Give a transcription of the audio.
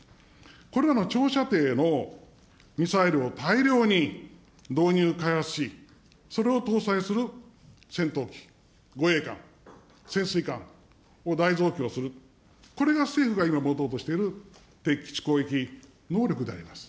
これらの長射程のミサイルを大量に導入、開発し、それを搭載する戦闘機、護衛艦、潜水艦を大増強する、これが政府が今持とうとしている敵基地攻撃能力であります。